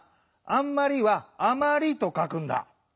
「あんまり」は「あまり」とかくんだ。